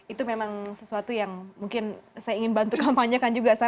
itu memang sesuatu yang mungkin saya ingin bantu kampanyekan juga